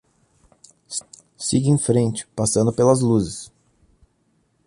Siga em frente, passando pelas luzes.